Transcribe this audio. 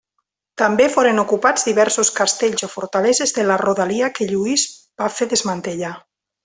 També foren ocupats diversos castells o fortaleses de la rodalia que Lluís va fer desmantellar.